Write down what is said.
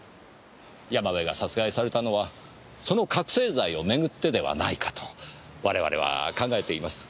山部が殺害されたのはその覚せい剤を巡ってではないかと我々は考えています。